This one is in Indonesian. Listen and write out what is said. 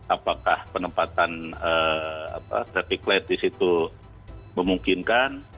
apakah penempatan traffic light di situ memungkinkan